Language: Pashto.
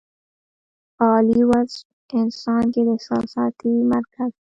پۀ عالي وصف انسان کې د احساساتي مرکز